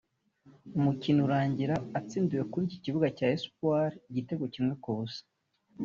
umukino urangira itsindiwe kuri iki kibuga cya Espoir igitego kimwe ku busa